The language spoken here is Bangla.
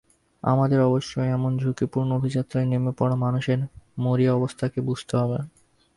আমাদের অবশ্যই এমন ঝুঁকিপূর্ণ অভিযাত্রায় নেমে পড়া মানুষের মরিয়া অবস্থাকে বুঝতে হবে।